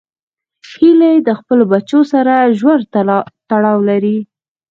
هیلۍ د خپلو بچو سره ژور تړاو لري